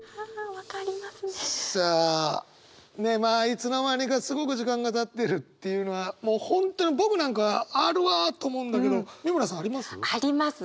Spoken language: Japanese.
いつの間にかすごく時間がたってるっていうのはもう本当に僕なんかはあるわと思うんだけど美村さんあります？あります。